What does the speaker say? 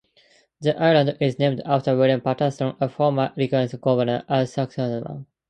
The island is named after William Patterson, a former lieutenant-governor of Saskatchewan.